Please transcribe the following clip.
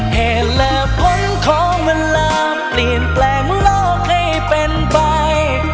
เหตุและผลของเวลาเปลี่ยนแปลงโลกให้เป็นไป